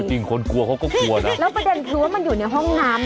แล้วประเด็นคือว่ามันอยู่ในห้องน้ำ